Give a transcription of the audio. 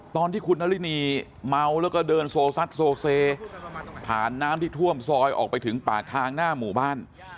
ตอนที่คุณนารินีเมาแล้วก็เดินโซซัดโซเซผ่านน้ำที่ท่วมซอยออกไปถึงปากทางหน้าหมู่บ้าน